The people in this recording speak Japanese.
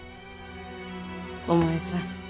お前さん。